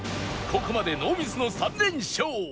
ここまでノーミスの３連勝